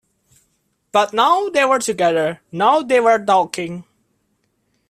But now they were together; now they were talking.